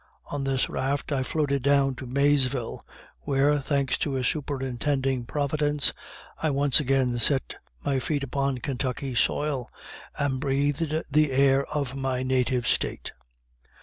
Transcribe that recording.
On this raft I floated down to Maysville, where, thanks to a superintending Providence, I once again set my feet upon Kentucky soil, and breathed the air of my native State.